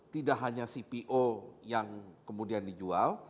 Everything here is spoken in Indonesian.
tidak hanya cpo yang kemudian dijual